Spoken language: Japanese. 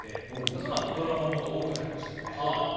そのあとドラマ物が多くなりましたね。